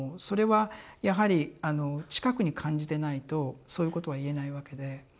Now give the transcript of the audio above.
それはやはり近くに感じてないとそういうことは言えないわけで。